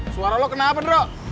suara lo kenapa drok